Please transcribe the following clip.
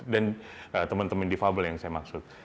dan temen temen difabel yang saya maksud